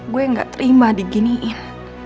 gue gak terima diginiin